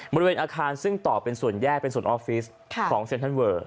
บริเวณอาคารซึ่งต่อเป็นส่วนแยกเป็นส่วนออฟฟิศของเซ็นทรัลเวอร์